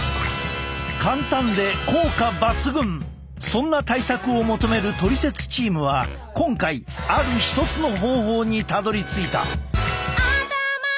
そんな対策を求めるトリセツチームは今回ある一つの方法にたどりついた！